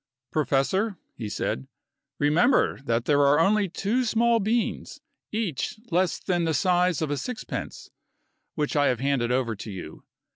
"Professor," he said, "remember that there are only two small beans, each less than the size of a sixpence, which I have handed over to you.